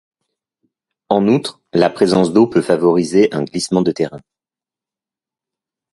En outre, la présence d’eau peut favoriser un glissement de terrain.